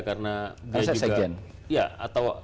karena dia juga